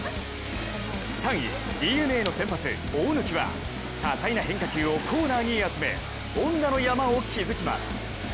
３位、ＤｅＮＡの先発・大貫は多彩な変化球をコーナーに集め凡打の山を築きます。